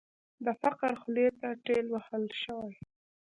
د فقر خولې ته ټېل وهل شوې.